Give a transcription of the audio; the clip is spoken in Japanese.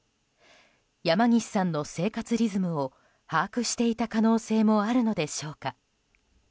山岸さんの生活リズムを把握していた可能性もあるのでしょうか。